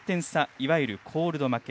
いわゆるコールド負け。